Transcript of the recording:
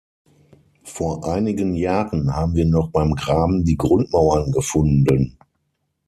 Vor einigen Jahren haben wir noch beim Graben die Grundmauern gefunden.